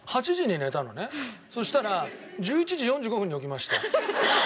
そしたら１１時４５分に起きました。